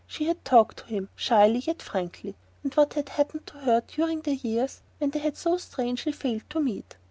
She had talked to him, shyly yet frankly, of what had happened to her during the years when they had so strangely failed to meet.